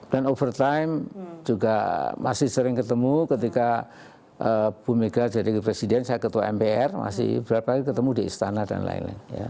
dan over time juga masih sering ketemu ketika ibu mega jadi presiden saya ketua mpr masih beberapa hari ketemu di istana dan lain lain